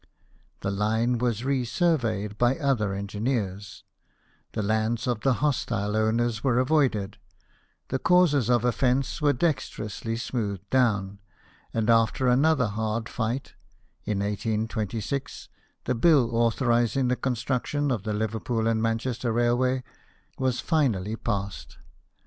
The line was re surveyed by other engineers ; the lands of the hostile owners were avoided; the causes of offeree were dexterously smoothed down ; and after another hard fight, in 1826, the bill autho rizing the construction of the Liverpool and Manchester railway was finally passed.